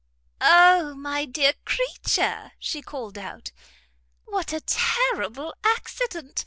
"O my dear creature," she called out, "what a terrible accident!